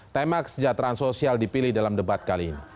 tema kesejahteraan sosial dipilih dalam debat kali ini